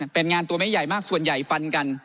เป็นงานตัวไม่ใหญ่มากส่วนใหญ่ฟันกัน